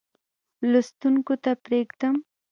لوستونکو ته پرېږدم.